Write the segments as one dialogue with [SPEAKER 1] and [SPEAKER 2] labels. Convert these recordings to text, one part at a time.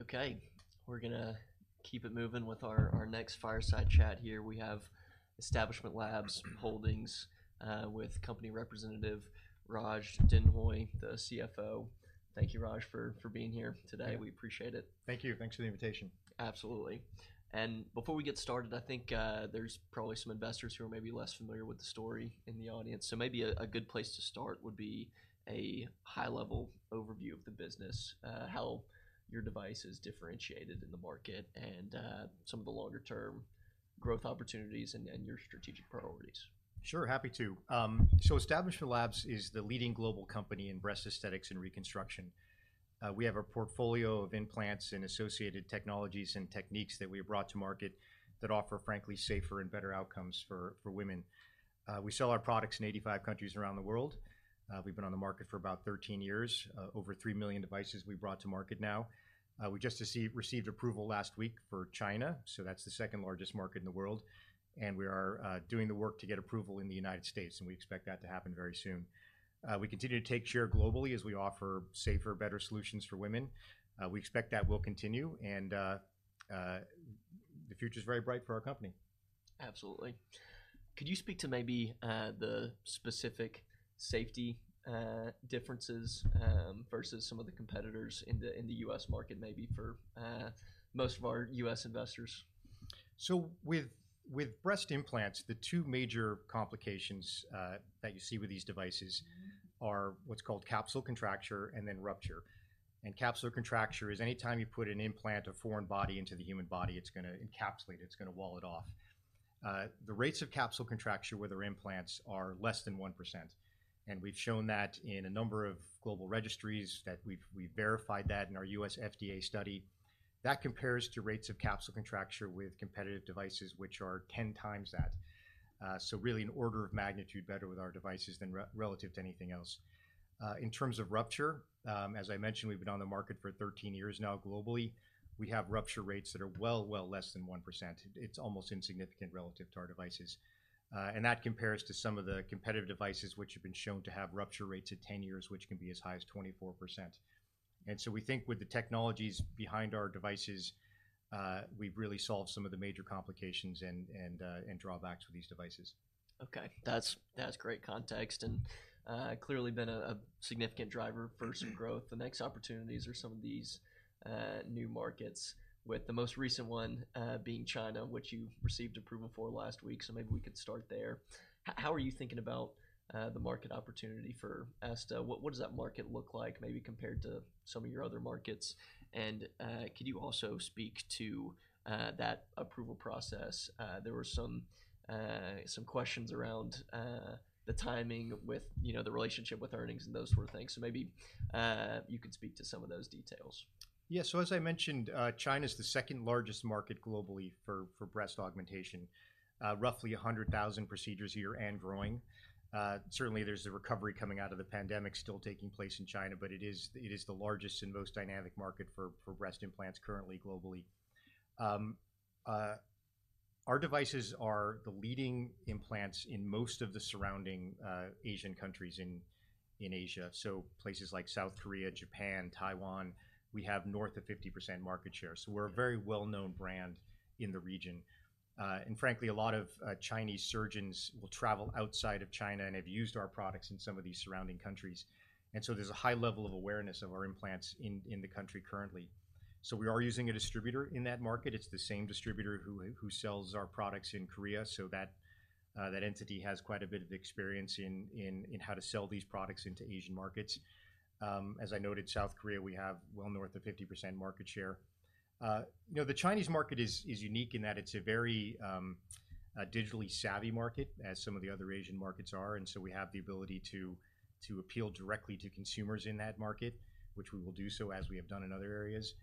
[SPEAKER 1] Okay, we're gonna keep it moving with our next fireside chat here. We have Establishment Labs Holdings with company representative, Raj Denhoy, the CFO. Thank you, Raj, for being here today.
[SPEAKER 2] Yeah.
[SPEAKER 1] We appreciate it.
[SPEAKER 2] Thank you. Thanks for the invitation.
[SPEAKER 1] Absolutely. Before we get started, I think there's probably some investors who are maybe less familiar with the story in the audience. So maybe a good place to start would be a high-level overview of the business, how your device is differentiated in the market, and some of the longer term growth opportunities and your strategic priorities.
[SPEAKER 2] Sure, happy to. So Establishment Labs is the leading global company in breast aesthetics and reconstruction. We have a portfolio of implants and associated technologies and techniques that we have brought to market that offer, frankly, safer and better outcomes for, for women. We sell our products in 85 countries around the world. We've been on the market for about 13 years. Over 3 million devices we've brought to market now. We just received approval last week for China, so that's the second largest market in the world, and we are doing the work to get approval in the United States, and we expect that to happen very soon. We continue to take share globally as we offer safer, better solutions for women. We expect that will continue, and the future's very bright for our company.
[SPEAKER 1] Absolutely. Could you speak to maybe the specific safety differences versus some of the competitors in the, in the U.S. market, maybe for most of our U.S. investors?
[SPEAKER 2] So with breast implants, the two major complications that you see with these devices are what's called capsular contracture and then rupture. And capsular contracture is any time you put an implant, a foreign body, into the human body, it's gonna encapsulate it, it's gonna wall it off. The rates of capsular contracture with our implants are less than 1%, and we've shown that in a number of global registries, that we've verified that in our U.S. FDA study. That compares to rates of capsular contracture with competitive devices, which are 10 times that. So really an order of magnitude better with our devices than relative to anything else. In terms of rupture, as I mentioned, we've been on the market for 13 years now globally. We have rupture rates that are well less than 1%. It's almost insignificant relative to our devices. And that compares to some of the competitive devices, which have been shown to have rupture rates at 10 years, which can be as high as 24%. And so we think with the technologies behind our devices, we've really solved some of the major complications and drawbacks with these devices.
[SPEAKER 1] Okay. That's great context and clearly been a significant driver for some growth. The next opportunities are some of these new markets, with the most recent one being China, which you received approval for last week, so maybe we could start there. How are you thinking about the market opportunity for ESTA? What does that market look like, maybe compared to some of your other markets? And could you also speak to that approval process? There were some questions around the timing with, you know, the relationship with earnings and those sort of things. So maybe you could speak to some of those details.
[SPEAKER 2] Yeah. So as I mentioned, China's the second largest market globally for breast augmentation. Roughly 100,000 procedures a year and growing. Certainly, there's a recovery coming out of the pandemic still taking place in China, but it is the largest and most dynamic market for breast implants currently globally. Our devices are the leading implants in most of the surrounding Asian countries in Asia. So places like South Korea, Japan, Taiwan, we have north of 50% market share. So we're a very well-known brand in the region. And frankly, a lot of Chinese surgeons will travel outside of China and have used our products in some of these surrounding countries. And so there's a high level of awareness of our implants in the country currently. So we are using a distributor in that market. It's the same distributor who sells our products in Korea, so that entity has quite a bit of experience in how to sell these products into Asian markets. As I noted, South Korea, we have well north of 50% market share. You know, the Chinese market is unique in that it's a very digitally savvy market, as some of the other Asian markets are, and so we have the ability to appeal directly to consumers in that market, which we will do so, as we have done in other areas.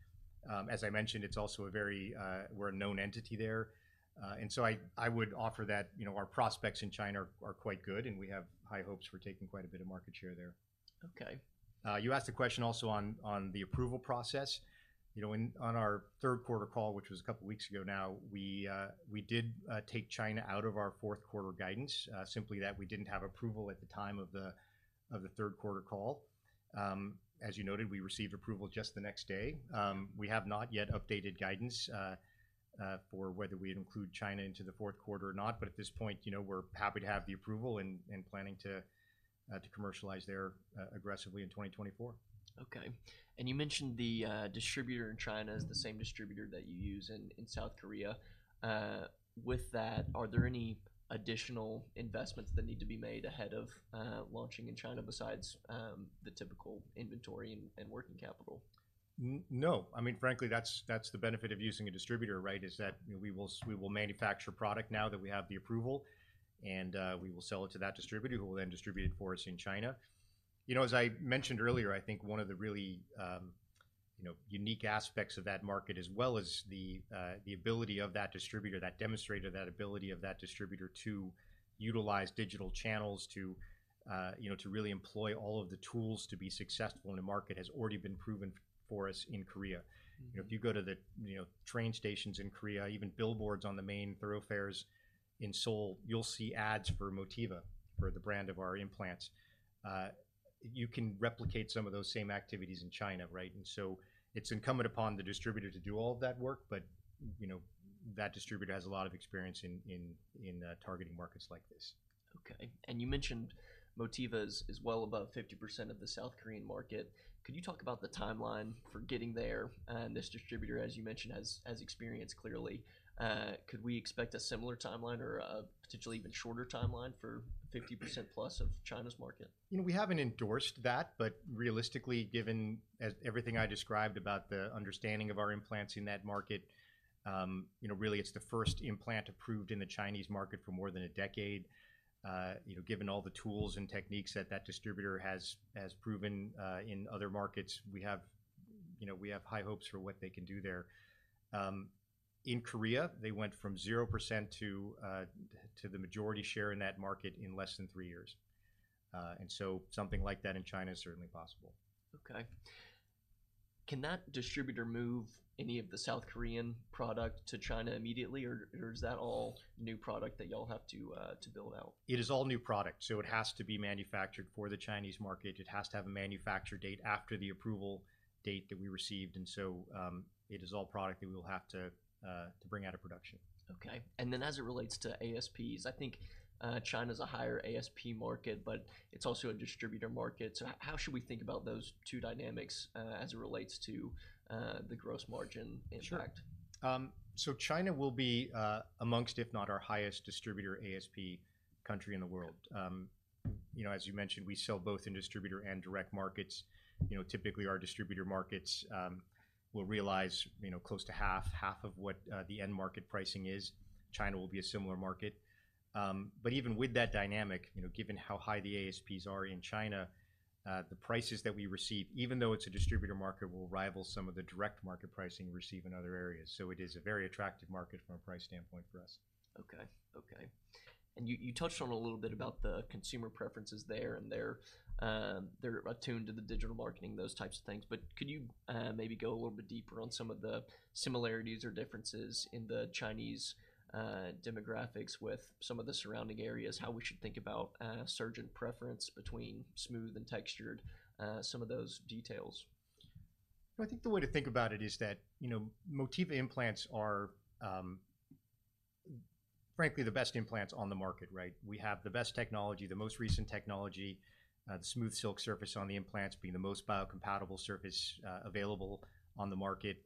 [SPEAKER 2] As I mentioned, it's also a very we're a known entity there. So I would offer that, you know, our prospects in China are quite good, and we have high hopes for taking quite a bit of market share there.
[SPEAKER 1] Okay.
[SPEAKER 2] You asked a question also on the approval process. You know, on our third quarter call, which was a couple weeks ago now, we did take China out of our fourth quarter guidance, simply that we didn't have approval at the time of the third quarter call. As you noted, we received approval just the next day. We have not yet updated guidance for whether we'd include China into the fourth quarter or not, but at this point, you know, we're happy to have the approval and planning to commercialize there aggressively in 2024.
[SPEAKER 1] Okay. And you mentioned the distributor in China is the same distributor that you use in South Korea. With that, are there any additional investments that need to be made ahead of launching in China, besides the typical inventory and working capital?
[SPEAKER 2] No. I mean, frankly, that's the benefit of using a distributor, right? Is that, you know, we will manufacture product now that we have the approval, and we will sell it to that distributor, who will then distribute it for us in China. You know, as I mentioned earlier, I think one of the really unique aspects of that market, as well as the ability of that distributor to utilize digital channels to, you know, to really employ all of the tools to be successful in the market, has already been proven for us in Korea. You know, if you go to the train stations in Korea, even billboards on the main thoroughfares in Seoul, you'll see ads for Motiva, for the brand of our implants. You can replicate some of those same activities in China, right? And so it's incumbent upon the distributor to do all of that work, but, you know, that distributor has a lot of experience in targeting markets like this....
[SPEAKER 1] Okay, and you mentioned Motiva is well above 50% of the South Korean market. Could you talk about the timeline for getting there? This distributor, as you mentioned, has experience clearly. Could we expect a similar timeline or a potentially even shorter timeline for 50% plus of China's market?
[SPEAKER 2] You know, we haven't endorsed that, but realistically, given as everything I described about the understanding of our implants in that market, you know, really, it's the first implant approved in the Chinese market for more than a decade. You know, given all the tools and techniques that that distributor has, has proven, in other markets, we have, you know, we have high hopes for what they can do there. In Korea, they went from 0% to, to the majority share in that market in less than three years. And so something like that in China is certainly possible.
[SPEAKER 1] Okay. Can that distributor move any of the South Korean product to China immediately, or, or is that all new product that y'all have to, to build out?
[SPEAKER 2] It is all new product, so it has to be manufactured for the Chinese market. It has to have a manufacture date after the approval date that we received, and so, it is all product that we will have to bring out of production.
[SPEAKER 1] Okay. And then, as it relates to ASPs, I think, China's a higher ASP market, but it's also a distributor market. So how should we think about those two dynamics, as it relates to, the gross margin impact?
[SPEAKER 2] Sure. So China will be, amongst, if not our highest distributor ASP country in the world. You know, as you mentioned, we sell both in distributor and direct markets. You know, typically, our distributor markets will realize, you know, close to half of what the end market pricing is. China will be a similar market. But even with that dynamic, you know, given how high the ASPs are in China, the prices that we receive, even though it's a distributor market, will rival some of the direct market pricing we receive in other areas. So it is a very attractive market from a price standpoint for us.
[SPEAKER 1] Okay. Okay, and you touched on a little bit about the consumer preferences there, and they're attuned to the digital marketing, those types of things. But could you maybe go a little bit deeper on some of the similarities or differences in the Chinese demographics with some of the surrounding areas? How we should think about surgeon preference between smooth and textured, some of those details?
[SPEAKER 2] I think the way to think about it is that, you know, Motiva Implants are frankly the best implants on the market, right? We have the best technology, the most recent technology, the SmoothSilk surface on the implants being the most biocompatible surface available on the market.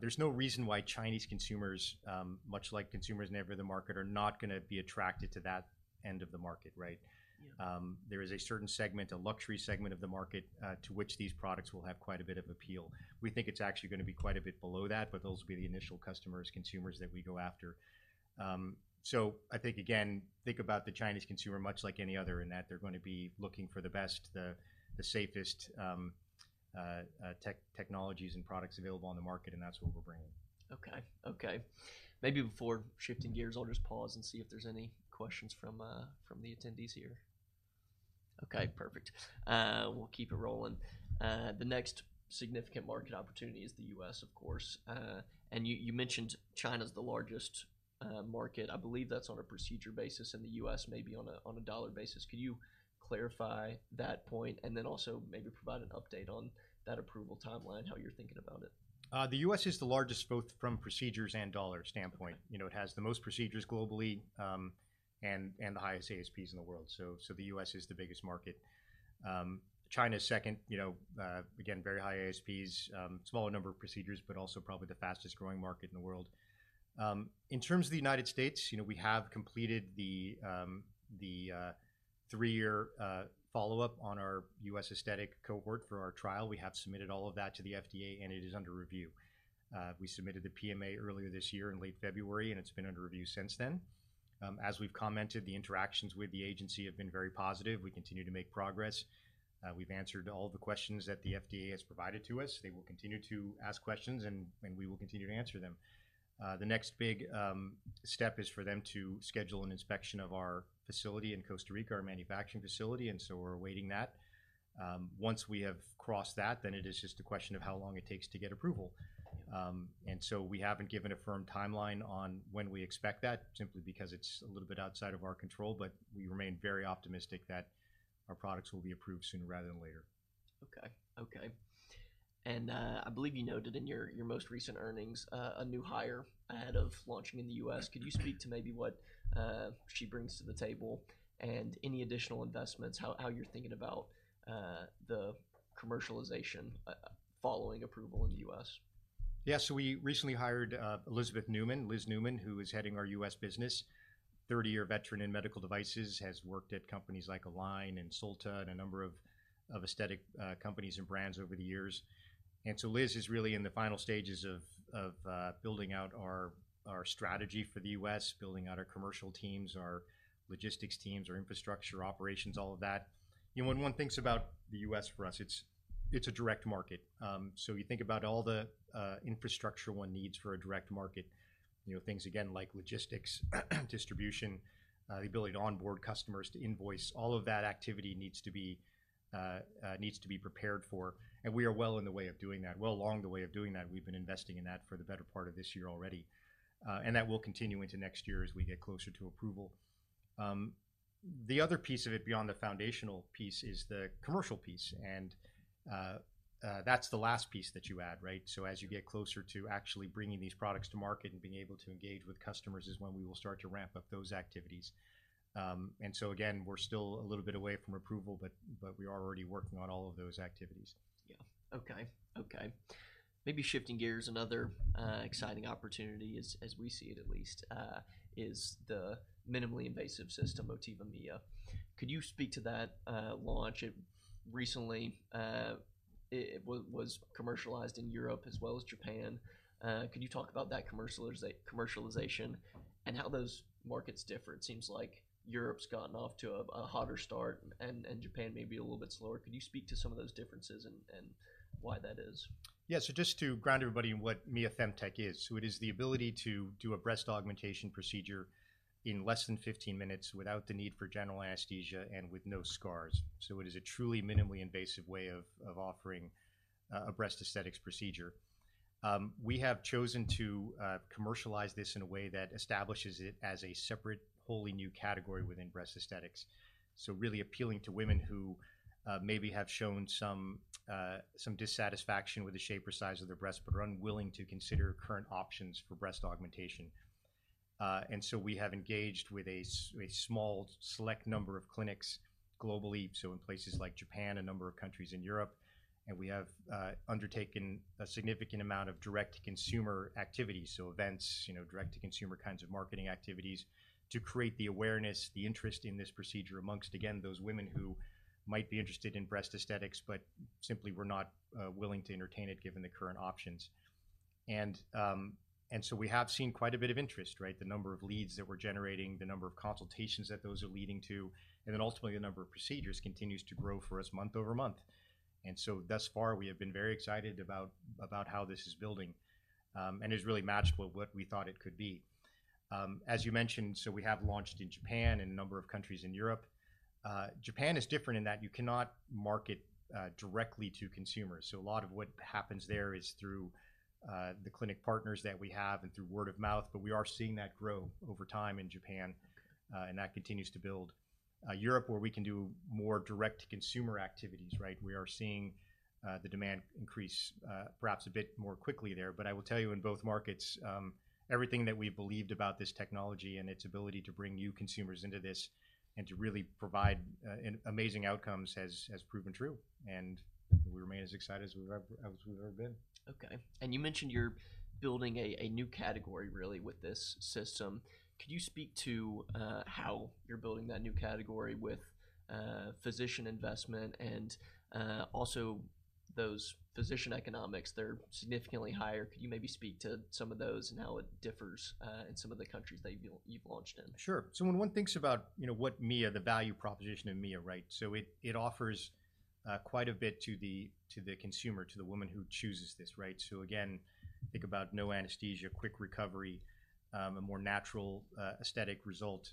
[SPEAKER 2] There's no reason why Chinese consumers, much like consumers in every other market, are not gonna be attracted to that end of the market, right?
[SPEAKER 1] Yeah.
[SPEAKER 2] There is a certain segment, a luxury segment of the market, to which these products will have quite a bit of appeal. We think it's actually gonna be quite a bit below that, but those will be the initial customers, consumers that we go after. So I think, again, think about the Chinese consumer, much like any other, in that they're going to be looking for the best, the safest, technologies and products available on the market, and that's what we're bringing.
[SPEAKER 1] Okay. Okay. Maybe before shifting gears, I'll just pause and see if there's any questions from the attendees here. Okay, perfect. We'll keep it rolling. The next significant market opportunity is the U.S., of course, and you mentioned China's the largest market. I believe that's on a procedure basis, and the U.S. may be on a dollar basis. Could you clarify that point, and then also maybe provide an update on that approval timeline, how you're thinking about it?
[SPEAKER 2] The U.S. is the largest, both from procedures and dollar standpoint. You know, it has the most procedures globally, and the highest ASPs in the world, so the U.S. is the biggest market. China is second, you know, again, very high ASPs, smaller number of procedures, but also probably the fastest-growing market in the world. In terms of the United States, you know, we have completed the three-year follow-up on our U.S. aesthetic cohort for our trial. We have submitted all of that to the FDA, and it is under review. We submitted the PMA earlier this year in late February, and it's been under review since then. As we've commented, the interactions with the agency have been very positive. We continue to make progress. We've answered all the questions that the FDA has provided to us. They will continue to ask questions, and we will continue to answer them. The next big step is for them to schedule an inspection of our facility in Costa Rica, our manufacturing facility, and so we're awaiting that. Once we have crossed that, then it is just a question of how long it takes to get approval. And so we haven't given a firm timeline on when we expect that, simply because it's a little bit outside of our control, but we remain very optimistic that our products will be approved sooner rather than later.
[SPEAKER 1] Okay, okay. I believe you noted in your most recent earnings a new hire ahead of launching in the U.S. Could you speak to maybe what she brings to the table and any additional investments, how you're thinking about the commercialization following approval in the U.S.?
[SPEAKER 2] Yeah, so we recently hired Elizabeth Newman. Liz Newman, who is heading our U.S. business, 30-year veteran in medical devices, has worked at companies like Align and Solta and a number of aesthetic companies and brands over the years. So Liz is really in the final stages of building out our strategy for the U.S., building out our commercial teams, our logistics teams, our infrastructure, operations, all of that. You know, when one thinks about the U.S., for us, it's a direct market. So you think about all the infrastructure one needs for a direct market. You know, things again, like logistics, distribution, the ability to onboard customers, to invoice, all of that activity needs to be prepared for, and we are well in the way of doing that, well along the way of doing that. We've been investing in that for the better part of this year already. And that will continue into next year as we get closer to approval... The other piece of it beyond the foundational piece is the commercial piece, and that's the last piece that you add, right? So as you get closer to actually bringing these products to market and being able to engage with customers, is when we will start to ramp up those activities. And so again, we're still a little bit away from approval, but we are already working on all of those activities.
[SPEAKER 1] Yeah. Okay, okay. Maybe shifting gears, another exciting opportunity as we see it at least is the minimally invasive system, Motiva Mia. Could you speak to that launch? It recently was commercialized in Europe as well as Japan. Could you talk about that commercialization and how those markets differ? It seems like Europe's gotten off to a hotter start and Japan may be a little bit slower. Could you speak to some of those differences and why that is?
[SPEAKER 2] Yeah. So just to ground everybody in what Mia Femtech is. So it is the ability to do a breast augmentation procedure in less than 15 minutes without the need for general anesthesia and with no scars. So it is a truly minimally invasive way of offering a breast aesthetics procedure. We have chosen to commercialize this in a way that establishes it as a separate, wholly new category within breast aesthetics. So really appealing to women who maybe have shown some dissatisfaction with the shape or size of their breasts, but are unwilling to consider current options for breast augmentation. And so we have engaged with a small, select number of clinics globally, so in places like Japan, a number of countries in Europe, and we have undertaken a significant amount of direct-to-consumer activity. So events, you know, direct-to-consumer kinds of marketing activities, to create the awareness, the interest in this procedure among, again, those women who might be interested in breast aesthetics, but simply were not willing to entertain it, given the current options. And so we have seen quite a bit of interest, right? The number of leads that we're generating, the number of consultations that those are leading to, and then ultimately, the number of procedures continues to grow for us month-over-month. And so thus far, we have been very excited about how this is building, and has really matched what we thought it could be. As you mentioned, so we have launched in Japan and a number of countries in Europe. Japan is different in that you cannot market directly to consumers. So a lot of what happens there is through the clinic partners that we have and through word of mouth, but we are seeing that grow over time in Japan, and that continues to build. Europe, where we can do more direct-to-consumer activities, right? We are seeing the demand increase, perhaps a bit more quickly there. But I will tell you, in both markets, everything that we believed about this technology and its ability to bring new consumers into this and to really provide an amazing outcomes has proven true, and we remain as excited as we've ever been.
[SPEAKER 1] Okay. And you mentioned you're building a new category, really, with this system. Could you speak to how you're building that new category with physician investment and also those physician economics; they're significantly higher. Could you maybe speak to some of those and how it differs in some of the countries that you've launched in?
[SPEAKER 2] Sure. So when one thinks about, you know, what Mia, the value proposition of Mia, right? So it, it offers, quite a bit to the, to the consumer, to the woman who chooses this, right? So again, think about no anesthesia, quick recovery, a more natural, aesthetic result.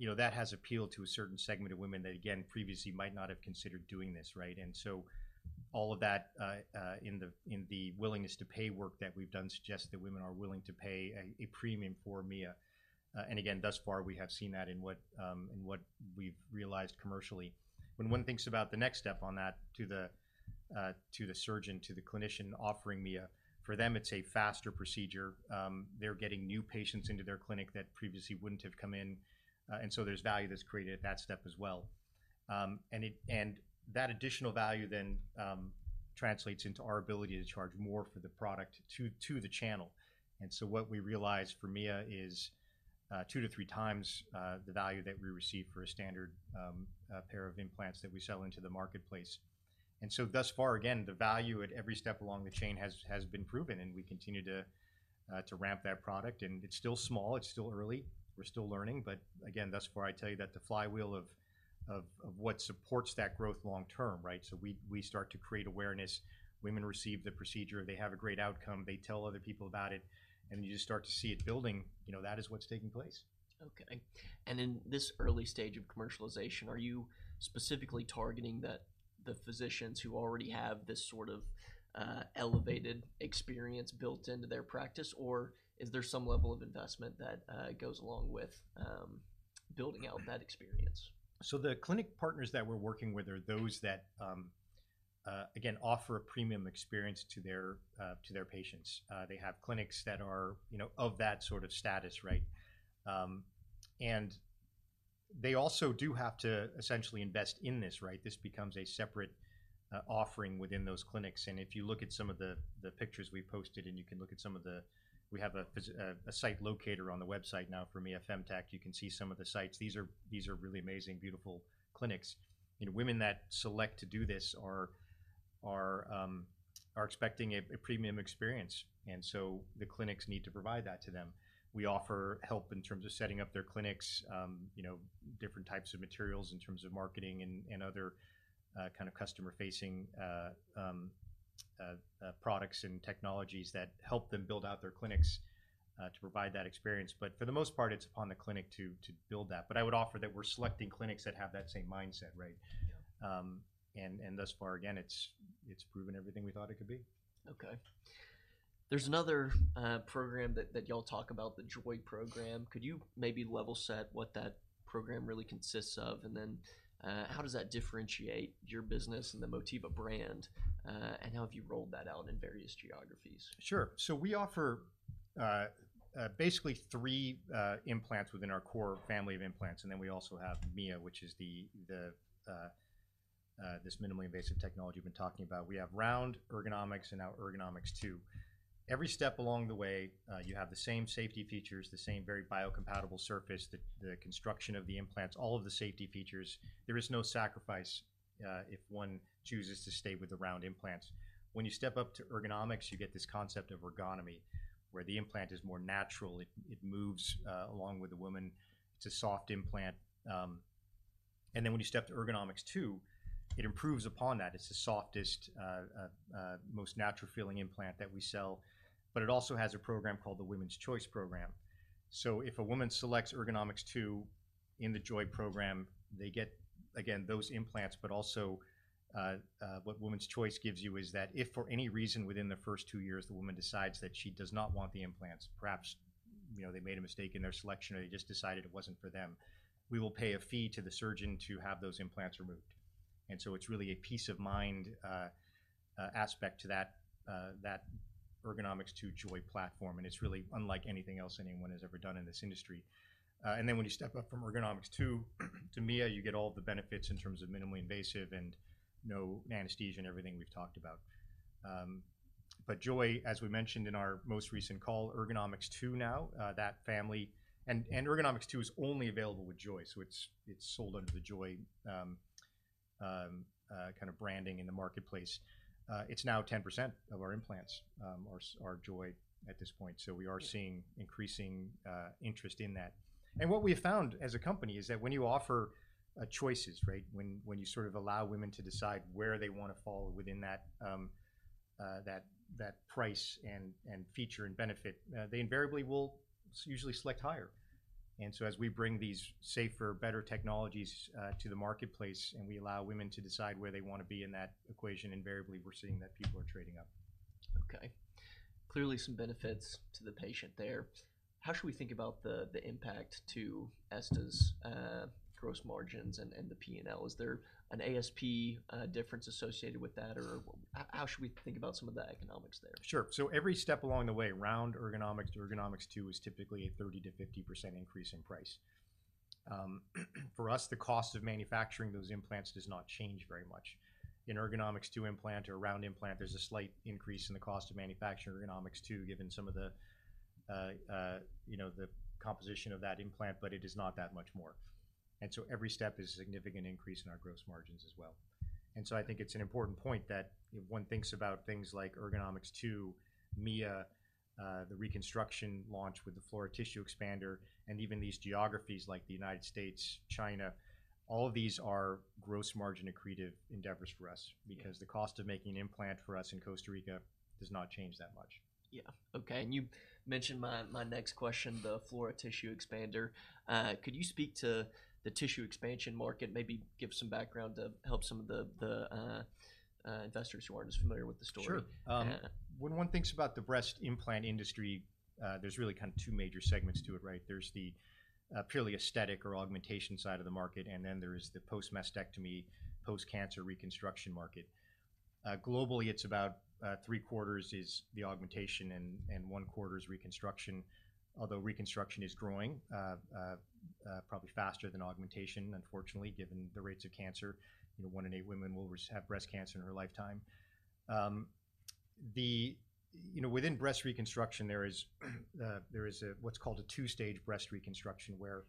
[SPEAKER 2] You know, that has appealed to a certain segment of women that, again, previously might not have considered doing this, right? And so all of that, in the, in the willingness to pay work that we've done, suggests that women are willing to pay a, a premium for Mia. And again, thus far, we have seen that in what, in what we've realized commercially. When one thinks about the next step on that to the, to the surgeon, to the clinician offering Mia, for them, it's a faster procedure. They're getting new patients into their clinic that previously wouldn't have come in, and so there's value that's created at that step as well. And that additional value then translates into our ability to charge more for the product to the channel. And so what we realize for Mia is 2-3 times the value that we receive for a standard pair of implants that we sell into the marketplace. And so thus far, again, the value at every step along the chain has been proven, and we continue to ramp that product. And it's still small, it's still early, we're still learning. But again, thus far, I tell you that the flywheel of what supports that growth long term, right? So we start to create awareness. Women receive the procedure, they have a great outcome, they tell other people about it, and you just start to see it building. You know, that is what's taking place.
[SPEAKER 1] Okay. And in this early stage of commercialization, are you specifically targeting the physicians who already have this sort of elevated experience built into their practice, or is there some level of investment that goes along with building out that experience?
[SPEAKER 2] So the clinic partners that we're working with are those that, again, offer a premium experience to their, to their patients. They have clinics that are, you know, of that sort of status, right? And they also do have to essentially invest in this, right? This becomes a separate, offering within those clinics. And if you look at some of the, the pictures we've posted, and you can look at some of the... We have a site locator on the website now for Mia Femtech. You can see some of the sites. These are, these are really amazing, beautiful clinics. You know, women that select to do this are, are, expecting a, a premium experience, and so the clinics need to provide that to them. We offer help in terms of setting up their clinics, you know, different types of materials in terms of marketing and other kind of customer-facing products and technologies that help them build out their clinics to provide that experience. But for the most part, it's upon the clinic to build that. But I would offer that we're selecting clinics that have that same mindset, right?
[SPEAKER 1] Yeah.
[SPEAKER 2] Thus far, again, it's proven everything we thought it could be.
[SPEAKER 1] Okay. There's another program that y'all talk about, the JOY Program. Could you maybe level set what that program really consists of? And then, how does that differentiate your business and the Motiva brand, and how have you rolled that out in various geographies?
[SPEAKER 2] Sure. So we offer basically three implants within our core family of implants, and then we also have Mia, which is this minimally invasive technology we've been talking about. We have Round, Ergonomix, and now Ergonomix2. Every step along the way, you have the same safety features, the same very biocompatible surface, the construction of the implants, all of the safety features. There is no sacrifice if one chooses to stay with the Round implants. When you step up to Ergonomix, you get this concept of ergonomics, where the implant is more natural. It moves along with the woman. It's a soft implant. And then when you step to Ergonomix2, it improves upon that. It's the softest, most natural-feeling implant that we sell, but it also has a program called the Women's Choice Program. So if a woman selects Ergonomix2 in the JOY Program, they get, again, those implants, but also, what Women's Choice gives you is that if for any reason within the first two years, the woman decides that she does not want the implants, perhaps, you know, they made a mistake in their selection, or they just decided it wasn't for them, we will pay a fee to the surgeon to have those implants removed. And so it's really a peace of mind aspect to that that Ergonomix2 JOY platform, and it's really unlike anything else anyone has ever done in this industry. And then when you step up from Ergonomix2 to Mia, you get all the benefits in terms of minimally invasive and no anesthesia and everything we've talked about. But JOY, as we mentioned in our most recent call, Ergonomix2 now is only available with JOY, so it's sold under the JOY kind of branding in the marketplace. It's now 10% of our implants are JOY at this point, so we are seeing increasing interest in that. And what we have found as a company is that when you offer choices, right? When you sort of allow women to decide where they wanna fall within that price and feature and benefit, they invariably will usually select higher. And so as we bring these safer, better technologies to the marketplace, and we allow women to decide where they wanna be in that equation, invariably, we're seeing that people are trading up.
[SPEAKER 1] Okay. Clearly, some benefits to the patient there. How should we think about the, the impact to ESTA's, gross margins and, and the P&L? Is there an ASP, difference associated with that, or how should we think about some of the economics there?
[SPEAKER 2] Sure. So every step along the way, Round, Ergonomix, Ergonomix2, is typically a 30%-50% increase in price. For us, the cost of manufacturing those implants does not change very much. In Ergonomix2 implant or Round implant, there's a slight increase in the cost of manufacturing Ergonomix2, given some of the, you know, the composition of that implant, but it is not that much more. And so every step is a significant increase in our gross margins as well. And so I think it's an important point that if one thinks about things like Ergonomix2, Mia, the reconstruction launch with the Flora tissue expander, and even these geographies like the United States, China, all of these are gross margin accretive endeavors for us-
[SPEAKER 1] Yeah.
[SPEAKER 2] because the cost of making an implant for us in Costa Rica does not change that much.
[SPEAKER 1] Yeah. Okay, and you mentioned my next question, the Flora tissue expander. Could you speak to the tissue expansion market, maybe give some background to help some of the investors who aren't as familiar with the story?
[SPEAKER 2] Sure.
[SPEAKER 1] Yeah.
[SPEAKER 2] When one thinks about the breast implant industry, there's really kind of two major segments to it, right? There's the purely aesthetic or augmentation side of the market, and then there is the post-mastectomy, post-cancer reconstruction market. Globally, it's about three-quarters is the augmentation and one quarter is reconstruction. Although reconstruction is growing probably faster than augmentation, unfortunately, given the rates of cancer. You know, one in eight women will have breast cancer in her lifetime. The... You know, within breast reconstruction, there is, there is, what's called a two-stage breast reconstruction, where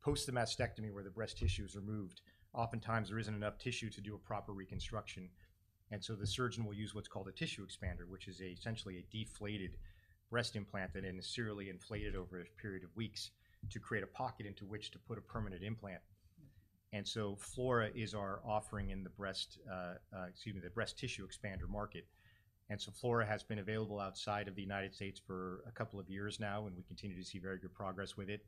[SPEAKER 2] post the mastectomy, where the breast tissue is removed, oftentimes there isn't enough tissue to do a proper reconstruction, and so the surgeon will use what's called a tissue expander, which is essentially a deflated breast implant that is serially inflated over a period of weeks to create a pocket into which to put a permanent implant. And so Flora is our offering in the breast, excuse me, the breast tissue expander market. And so Flora has been available outside of the United States for a couple of years now, and we continue to see very good progress with it.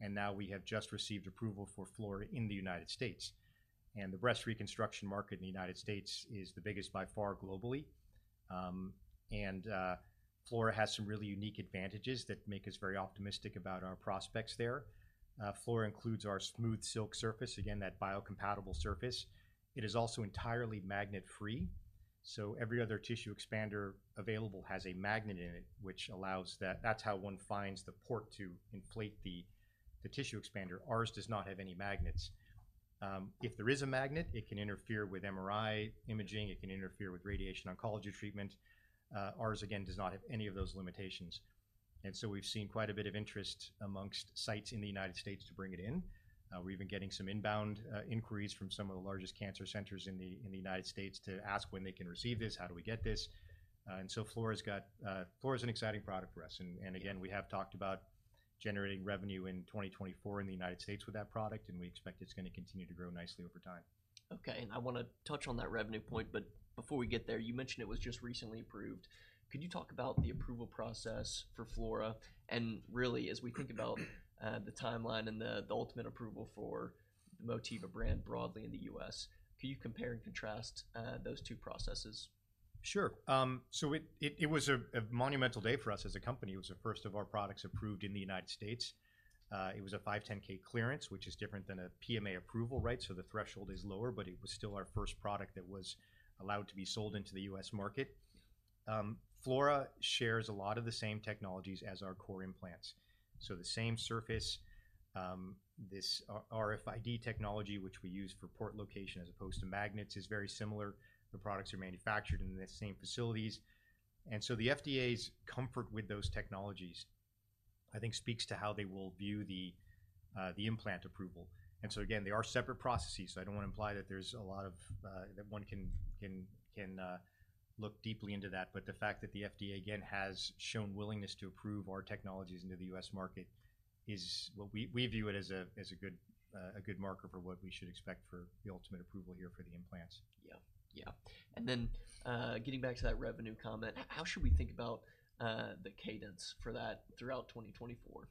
[SPEAKER 2] And now we have just received approval for Flora in the United States. And the breast reconstruction market in the United States is the biggest by far, globally. Flora has some really unique advantages that make us very optimistic about our prospects there. Flora includes our SmoothSilk surface, again, that biocompatible surface. It is also entirely magnet-free, so every other tissue expander available has a magnet in it, which allows. That's how one finds the port to inflate the tissue expander. Ours does not have any magnets. If there is a magnet, it can interfere with MRI imaging, it can interfere with radiation oncology treatment. Ours, again, does not have any of those limitations. And so we've seen quite a bit of interest amongst sites in the United States to bring it in. We're even getting some inbound inquiries from some of the largest cancer centers in the United States to ask when they can receive this, "How do we get this?" And so Flora is an exciting product for us. And again, we have talked about generating revenue in 2024 in the United States with that product, and we expect it's gonna continue to grow nicely over time.
[SPEAKER 1] Okay, and I wanna touch on that revenue point, but before we get there, you mentioned it was just recently approved. Could you talk about the approval process for Flora? And really, as we think about the timeline and the ultimate approval for the Motiva brand broadly in the U.S., could you compare and contrast those two processes?...
[SPEAKER 2] Sure. So it was a monumental day for us as a company. It was the first of our products approved in the United States. It was a 510(k) clearance, which is different than a PMA approval, right? So the threshold is lower, but it was still our first product that was allowed to be sold into the U.S. market. Flora shares a lot of the same technologies as our core implants. So the same surface, this RFID technology, which we use for port location as opposed to magnets, is very similar. The products are manufactured in the same facilities, and so the FDA's comfort with those technologies, I think, speaks to how they will view the implant approval. And so again, they are separate processes, so I don't want to imply that there's a lot of that one can look deeply into that. But the fact that the FDA, again, has shown willingness to approve our technologies into the U.S. market is what we view it as a good marker for what we should expect for the ultimate approval here for the implants.
[SPEAKER 1] Yeah. Yeah, and then, getting back to that revenue comment, how should we think about the cadence for that throughout 2024?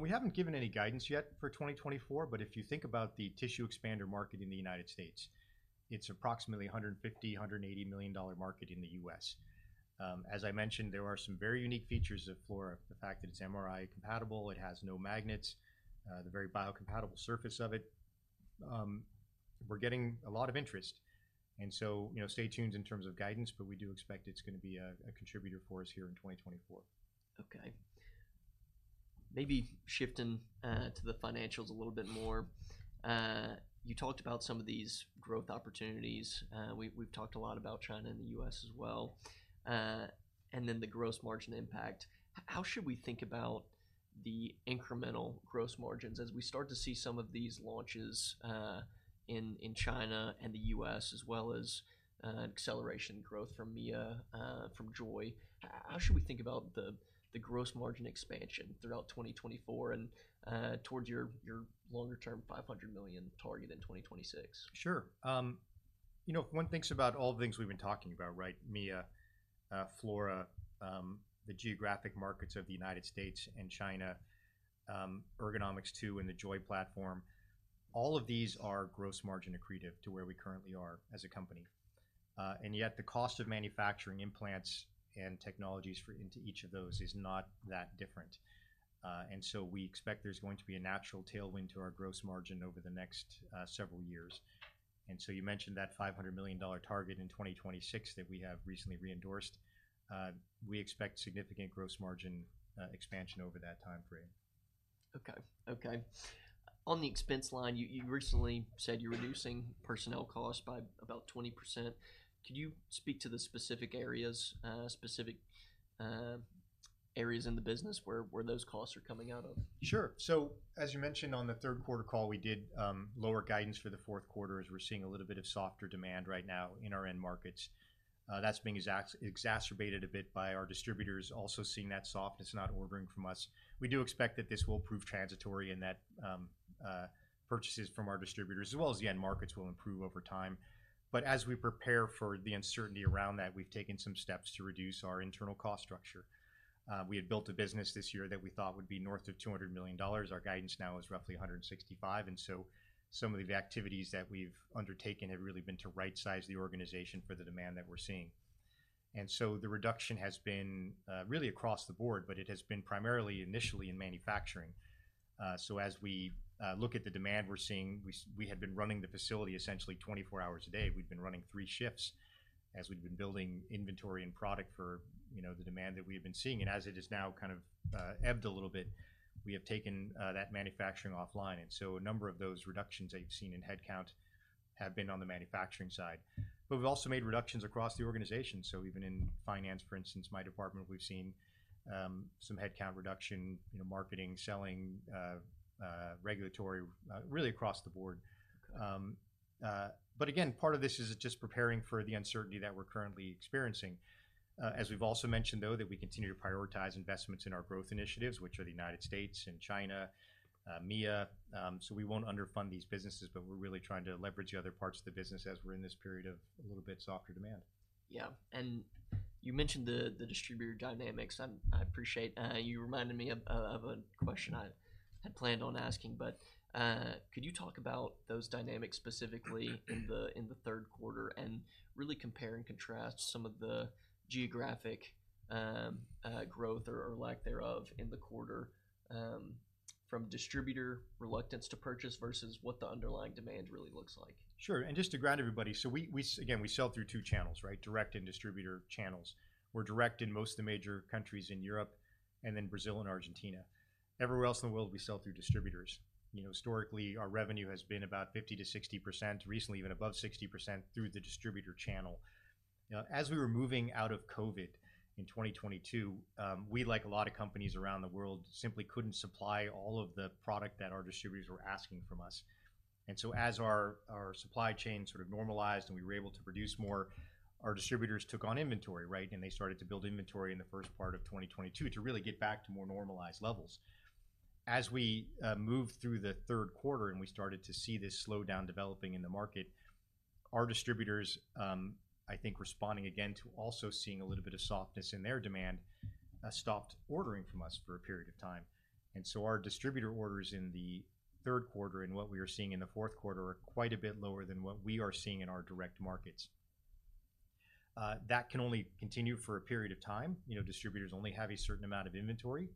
[SPEAKER 2] We haven't given any guidance yet for 2024, but if you think about the tissue expander market in the United States, it's approximately $150-$180 million market in the U.S.. As I mentioned, there are some very unique features of Flora. The fact that it's MRI compatible, it has no magnets, the very biocompatible surface of it. We're getting a lot of interest, and so, you know, stay tuned in terms of guidance, but we do expect it's going to be a contributor for us here in 2024.
[SPEAKER 1] Okay. Maybe shifting to the financials a little bit more. You talked about some of these growth opportunities. We've talked a lot about China and the U.S. as well, and then the gross margin impact. How should we think about the incremental gross margins as we start to see some of these launches in China and the U.S., as well as acceleration growth from Mia from JOY? How should we think about the gross margin expansion throughout 2024 and towards your longer-term $500 million target in 2026?
[SPEAKER 2] Sure. You know, if one thinks about all the things we've been talking about, right? Mia, Flora, the geographic markets of the United States and China, Ergonomix2, and the JOY platform, all of these are gross margin accretive to where we currently are as a company. And yet the cost of manufacturing implants and technologies for into each of those is not that different. And so we expect there's going to be a natural tailwind to our gross margin over the next, several years. And so you mentioned that $500 million target in 2026 that we have recently re-endorsed. We expect significant gross margin, expansion over that time frame.
[SPEAKER 1] Okay. Okay. On the expense line, you recently said you're reducing personnel costs by about 20%. Could you speak to the specific areas in the business where those costs are coming out of?
[SPEAKER 2] Sure. So as you mentioned on the third quarter call, we did lower guidance for the fourth quarter, as we're seeing a little bit of softer demand right now in our end markets. That's being exacerbated a bit by our distributors also seeing that softness, not ordering from us. We do expect that this will prove transitory and that purchases from our distributors, as well as the end markets, will improve over time. But as we prepare for the uncertainty around that, we've taken some steps to reduce our internal cost structure. We had built a business this year that we thought would be north of $200 million. Our guidance now is roughly $165 million, and so some of the activities that we've undertaken have really been to rightsize the organization for the demand that we're seeing. And so the reduction has been really across the board, but it has been primarily initially in manufacturing. So as we look at the demand we're seeing, we had been running the facility essentially 24 hours a day. We'd been running three shifts as we'd been building inventory and product for, you know, the demand that we have been seeing. And as it has now kind of ebbed a little bit, we have taken that manufacturing offline. And so a number of those reductions that you've seen in headcount have been on the manufacturing side. But we've also made reductions across the organization, so even in finance, for instance, my department, we've seen some headcount reduction, you know, marketing, selling, regulatory, really across the board. Again, part of this is just preparing for the uncertainty that we're currently experiencing. As we've also mentioned, though, that we continue to prioritize investments in our growth initiatives, which are the United States and China, Mia. We won't underfund these businesses, but we're really trying to leverage the other parts of the business as we're in this period of a little bit softer demand.
[SPEAKER 1] Yeah, and you mentioned the distributor dynamics, and I appreciate you reminding me of a question I had planned on asking. But could you talk about those dynamics specifically... in the third quarter and really compare and contrast some of the geographic growth or lack thereof in the quarter from distributor reluctance to purchase versus what the underlying demand really looks like?
[SPEAKER 2] Sure, and just to ground everybody, so again, we sell through two channels, right? Direct and distributor channels. We're direct in most of the major countries in Europe and then Brazil and Argentina. Everywhere else in the world, we sell through distributors. You know, historically, our revenue has been about 50%-60%, recently even above 60%, through the distributor channel. As we were moving out of COVID in 2022, we, like a lot of companies around the world, simply couldn't supply all of the product that our distributors were asking from us. And so as our supply chain sort of normalized and we were able to produce more, our distributors took on inventory, right? And they started to build inventory in the first part of 2022 to really get back to more normalized levels. As we moved through the third quarter and we started to see this slowdown developing in the market, our distributors, I think responding again to also seeing a little bit of softness in their demand, stopped ordering from us for a period of time. So our distributor orders in the third quarter, and what we are seeing in the fourth quarter, are quite a bit lower than what we are seeing in our direct markets. That can only continue for a period of time. You know, distributors only have a certain amount of inventory.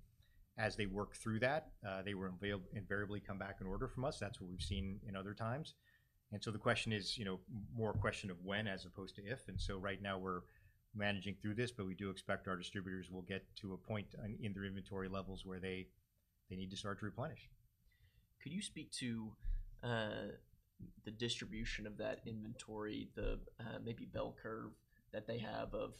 [SPEAKER 2] As they work through that, they will invariably come back and order from us, that's what we've seen in other times. So the question is, you know, more a question of when as opposed to if, and so right now we're managing through this, but we do expect our distributors will get to a point in their inventory levels where they need to start to replenish.
[SPEAKER 1] Could you speak to the distribution of that inventory, the maybe bell curve that they have of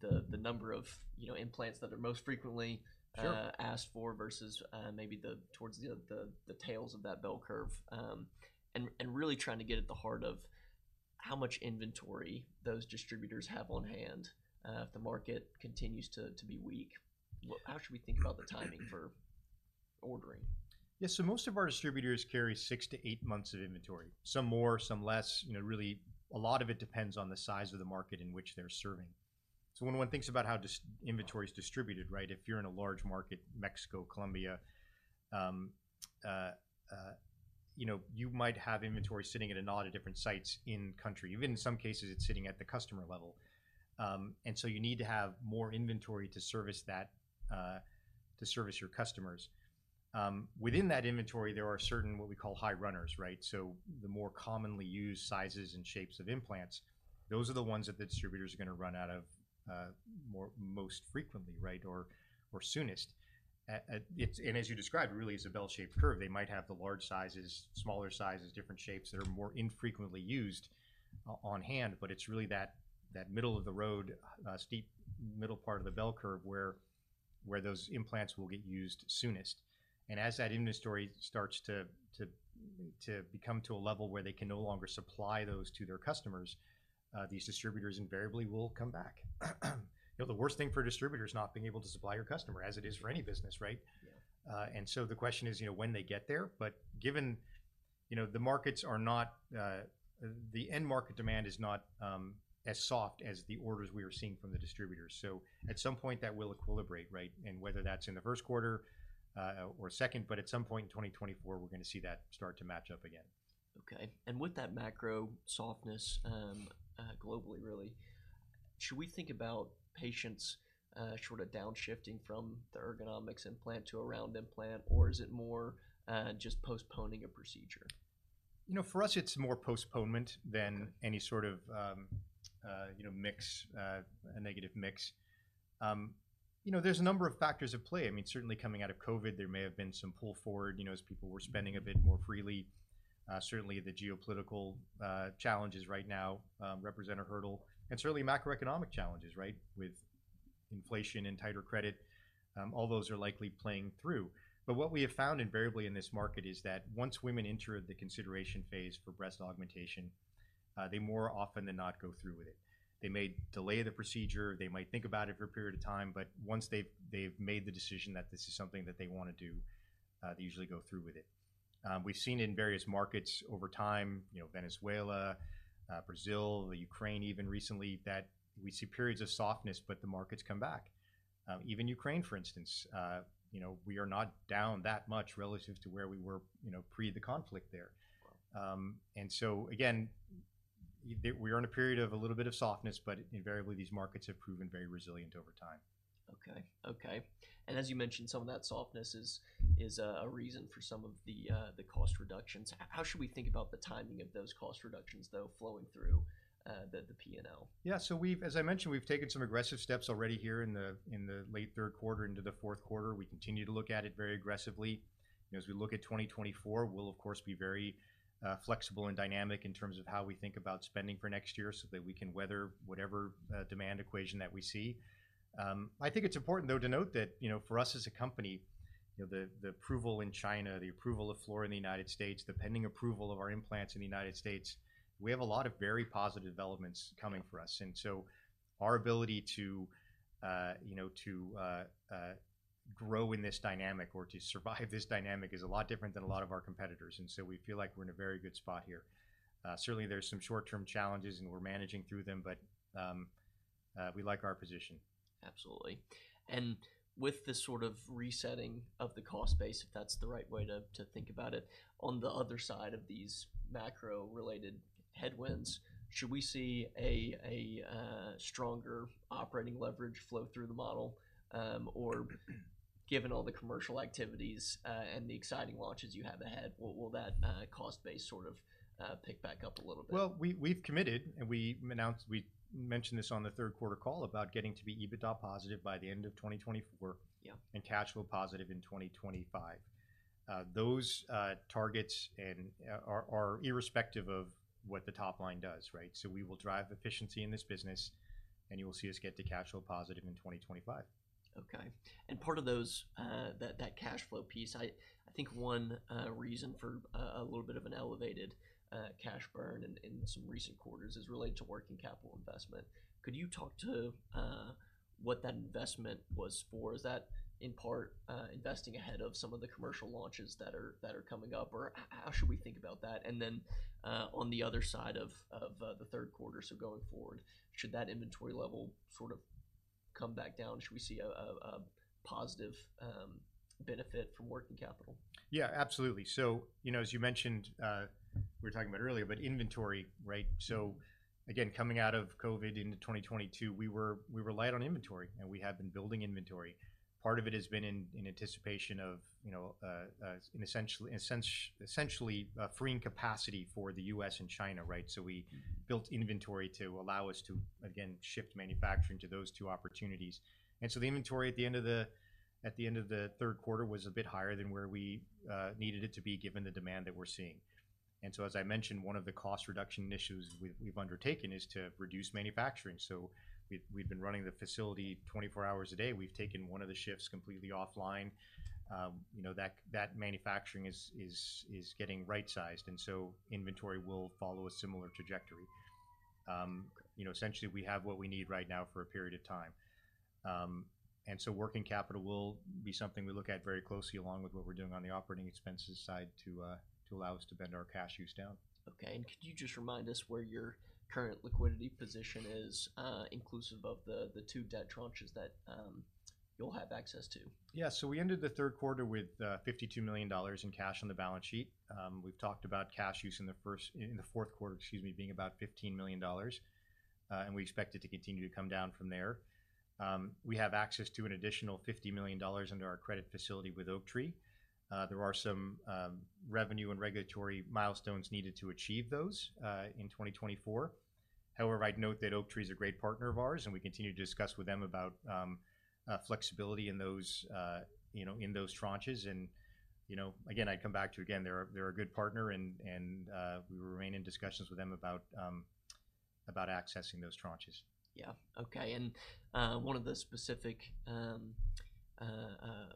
[SPEAKER 1] the number of, you know, implants that are most frequently-
[SPEAKER 2] Sure...
[SPEAKER 1] asked for versus, maybe towards the tails of that bell curve? And really trying to get at the heart of how much inventory those distributors have on hand, if the market continues to be weak. How should we think about the timing for ordering?
[SPEAKER 2] Yeah. So most of our distributors carry 6-8 months of inventory. Some more, some less, you know, really a lot of it depends on the size of the market in which they're serving. So when one thinks about how inventory is distributed, right? If you're in a large market, Mexico, Colombia, you know, you might have inventory sitting at a lot of different sites in country. Even in some cases, it's sitting at the customer level. And so you need to have more inventory to service that, to service your customers. Within that inventory, there are certain what we call high runners, right? So the more commonly used sizes and shapes of implants, those are the ones that the distributors are gonna run out of, most frequently, right? Or soonest. And as you described, really, it's a bell-shaped curve. They might have the large sizes, smaller sizes, different shapes that are more infrequently used on hand, but it's really that middle-of-the-road, steep middle part of the bell curve, where those implants will get used soonest. And as that inventory starts to become too a level where they can no longer supply those to their customers, these distributors invariably will come back. You know, the worst thing for a distributor is not being able to supply your customer, as it is for any business, right?
[SPEAKER 1] Yeah.
[SPEAKER 2] and so the question is, you know, when they get there, but given, you know, the markets are not, the end market demand is not, as soft as the orders we are seeing from the distributors. So at some point, that will equilibrate, right? And whether that's in the first quarter, or second, but at some point in 2024, we're gonna see that start to match up again.
[SPEAKER 1] Okay. And with that macro softness, globally, really, should we think about patients, sort of downshifting from the Ergonomix implant to a Round implant, or is it more, just postponing a procedure?
[SPEAKER 2] You know, for us, it's more postponement than-
[SPEAKER 1] Okay...
[SPEAKER 2] any sort of, you know, a negative mix. You know, there's a number of factors at play. I mean, certainly coming out of COVID, there may have been some pull forward, you know, as people were spending a bit more freely. Certainly the geopolitical challenges right now represent a hurdle, and certainly macroeconomic challenges, right? With inflation and tighter credit, all those are likely playing through. But what we have found invariably in this market is that once women enter the consideration phase for breast augmentation, they more often than not go through with it. They may delay the procedure, they might think about it for a period of time, but once they've made the decision that this is something that they wanna do, they usually go through with it. We've seen in various markets over time, you know, Venezuela, Brazil, the Ukraine, even recently, that we see periods of softness, but the markets come back. Even Ukraine, for instance, you know, we are not down that much relative to where we were, you know, pre the conflict there.
[SPEAKER 1] Wow.
[SPEAKER 2] And so again, we are in a period of a little bit of softness, but invariably, these markets have proven very resilient over time.
[SPEAKER 1] Okay. Okay, and as you mentioned, some of that softness is a reason for some of the cost reductions. How should we think about the timing of those cost reductions, though, flowing through the P&L?
[SPEAKER 2] Yeah. So we've, as I mentioned, we've taken some aggressive steps already here in the late third quarter into the fourth quarter. We continue to look at it very aggressively. As we look at 2024, we'll of course be very flexible and dynamic in terms of how we think about spending for next year, so that we can weather whatever demand equation that we see. I think it's important, though, to note that, you know, for us as a company, you know, the approval in China, the approval of Flora in the United States, the pending approval of our implants in the United States, we have a lot of very positive developments coming for us. And so our ability to, you know, to, grow in this dynamic or to survive this dynamic is a lot different than a lot of our competitors, and so we feel like we're in a very good spot here. Certainly, there's some short-term challenges, and we're managing through them, but, we like our position.
[SPEAKER 1] Absolutely. And with this sort of resetting of the cost base, if that's the right way to think about it, on the other side of these macro-related headwinds, should we see a stronger operating leverage flow through the model? Or given all the commercial activities and the exciting launches you have ahead, will that cost base sort of pick back up a little bit?
[SPEAKER 2] Well, we, we've committed, and we announced—we mentioned this on the third quarter call, about getting to be EBITDA positive by the end of 2024-
[SPEAKER 1] Yeah...
[SPEAKER 2] and cash flow positive in 2025. Those targets are irrespective of what the top line does, right? So we will drive efficiency in this business, and you will see us get to cash flow positive in 2025.
[SPEAKER 1] Okay. And part of those, that cash flow piece, I think one reason for a little bit of an elevated cash burn in some recent quarters is related to working capital investment. Could you talk to what that investment was for? Is that in part, investing ahead of some of the commercial launches that are coming up, or how should we think about that? And then, on the other side of the third quarter, so going forward, should that inventory level sort of come back down? Should we see a positive benefit from working capital?
[SPEAKER 2] Yeah, absolutely. So, you know, as you mentioned, we were talking about earlier, but inventory, right? So again, coming out of COVID into 2022, we relied on inventory, and we have been building inventory. Part of it has been in anticipation of, you know, essentially freeing capacity for the U.S. and China, right? So we built inventory to allow us to, again, shift manufacturing to those two opportunities. And so the inventory at the end of the third quarter was a bit higher than where we needed it to be, given the demand that we're seeing. And so as I mentioned, one of the cost-reduction initiatives we've undertaken is to reduce manufacturing. So we've been running the facility 24 hours a day. We've taken one of the shifts completely offline. You know, that manufacturing is getting right-sized, and so inventory will follow a similar trajectory. You know, essentially, we have what we need right now for a period of time. And so working capital will be something we look at very closely, along with what we're doing on the operating expenses side to allow us to bend our cash use down.
[SPEAKER 1] Okay, and could you just remind us where your current liquidity position is, inclusive of the two debt tranches that you'll have access to?
[SPEAKER 2] Yeah, so we ended the third quarter with $52 million in cash on the balance sheet. We've talked about cash use in the fourth quarter, excuse me, being about $15 million. And we expect it to continue to come down from there. We have access to an additional $50 million under our credit facility with Oaktree. There are some revenue and regulatory milestones needed to achieve those in 2024. However, I'd note that Oaktree is a great partner of ours, and we continue to discuss with them about flexibility in those, you know, in those tranches. And, you know, again, I'd come back to again, they're a good partner and we remain in discussions with them about accessing those tranches.
[SPEAKER 1] Yeah. Okay. And one of the specific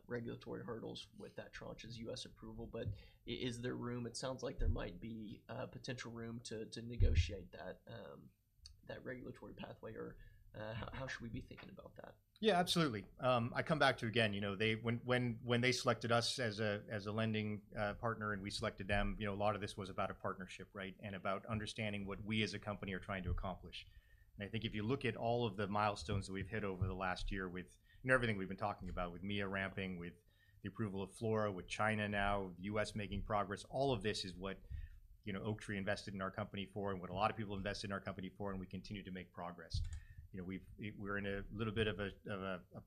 [SPEAKER 1] regulatory hurdles with that tranche is U.S. approval, but is there room? It sounds like there might be potential room to negotiate that regulatory pathway, or how should we be thinking about that?
[SPEAKER 2] Yeah, absolutely. I come back to again, you know, they when they selected us as a lending partner, and we selected them, you know, a lot of this was about a partnership, right? And about understanding what we as a company are trying to accomplish. And I think if you look at all of the milestones that we've hit over the last year with, and everything we've been talking about, with Mia ramping, with the approval of Flora, with China now, the U.S. making progress, all of this is what, you know, Oaktree invested in our company for and what a lot of people invested in our company for, and we continue to make progress. You know, we've, we're in a little bit of a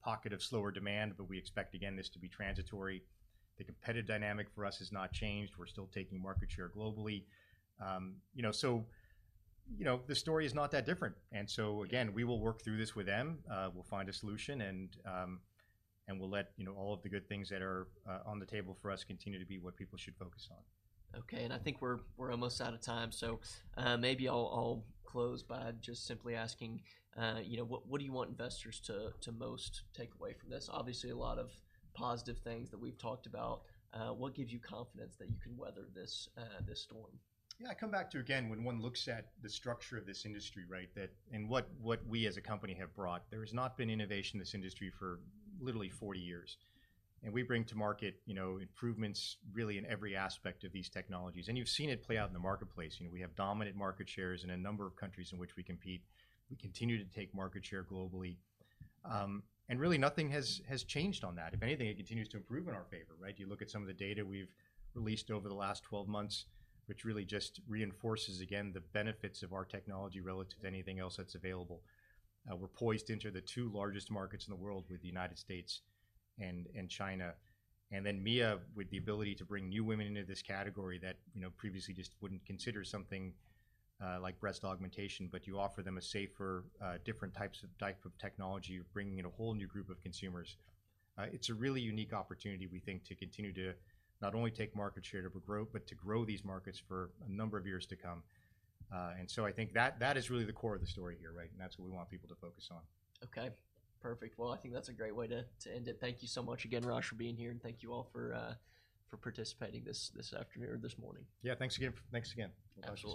[SPEAKER 2] pocket of slower demand, but we expect, again, this to be transitory. The competitive dynamic for us has not changed. We're still taking market share globally. You know, so, you know, the story is not that different. And so again, we will work through this with them. We'll find a solution, and we'll let you know, all of the good things that are on the table for us continue to be what people should focus on.
[SPEAKER 1] Okay, and I think we're almost out of time, so, maybe I'll close by just simply asking, you know, what do you want investors to most take away from this? Obviously, a lot of positive things that we've talked about. What gives you confidence that you can weather this storm?
[SPEAKER 2] Yeah, I come back to again, when one looks at the structure of this industry, right? That, and what we as a company have brought. There has not been innovation in this industry for literally 40 years, and we bring to market, you know, improvements really in every aspect of these technologies. And you've seen it play out in the marketplace. You know, we have dominant market shares in a number of countries in which we compete. We continue to take market share globally. And really, nothing has changed on that. If anything, it continues to improve in our favor, right? You look at some of the data we've released over the last 12 months, which really just reinforces, again, the benefits of our technology relative to anything else that's available. We're poised to enter the two largest markets in the world with the United States and China, and then Mia, with the ability to bring new women into this category that, you know, previously just wouldn't consider something like breast augmentation, but you offer them a safer, different type of technology, bringing in a whole new group of consumers. It's a really unique opportunity, we think, to continue to not only take market share, to grow, but to grow these markets for a number of years to come. And so I think that that is really the core of the story here, right? And that's what we want people to focus on.
[SPEAKER 1] Okay, perfect. Well, I think that's a great way to end it. Thank you so much again, Raj, for being here, and thank you all for participating this afternoon or this morning.
[SPEAKER 2] Yeah. Thanks again. Thanks again. My pleasure.